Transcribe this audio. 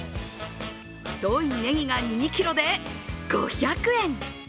太いねぎが２ｋｇで５００円。